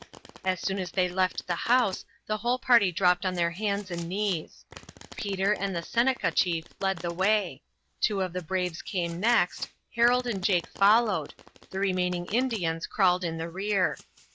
As soon as they left the house the whole party dropped on their hands and knees. Peter and the Seneca chief led the way; two of the braves came next; Harold and Jake followed; the remaining Indians crawled in the rear.